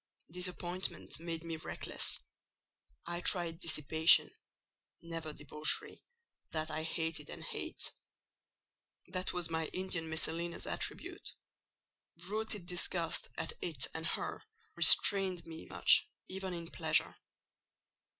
Disappointment made me reckless. I tried dissipation—never debauchery: that I hated, and hate. That was my Indian Messalina's attribute: rooted disgust at it and her restrained me much, even in pleasure.